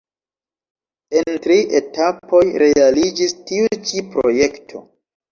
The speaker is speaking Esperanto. En tri etapoj realiĝis tiu ĉi projekto.